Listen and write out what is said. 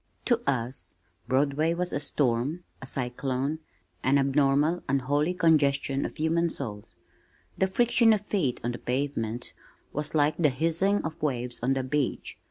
To us Broadway was a storm, a cyclone, an abnormal unholy congestion of human souls. The friction of feet on the pavement was like the hissing of waves on the beach.